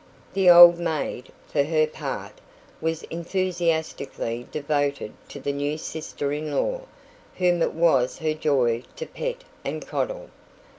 The old maid, for her part, was enthusiastically devoted to the new sister in law, whom it was her joy to pet and coddle.